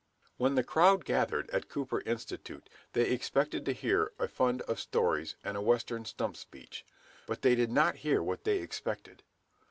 When the crowd gathered at Cooper Institute, they expected to hear a fund of stories and a "Western stump speech." But they did not hear what they expected.